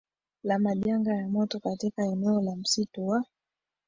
la majanga ya moto katika eneo la msitu wa